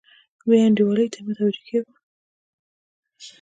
بې انډولۍ ته یې متوجه کیږو.